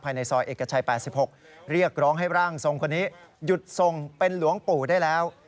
ในซอยเอกชัย๘๖เรียกร้องให้ร่างทรงคนนี้หยุดทรงเป็นหลวงปู่ได้แล้ว